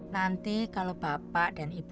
nanti kalau bapak dan ibu